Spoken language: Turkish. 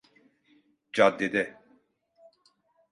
Caddede…